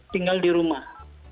tinggal di rumah